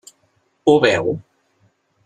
Ho veu?